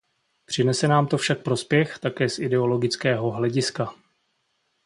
Přinese nám to však prospěch také z ideologického hlediska.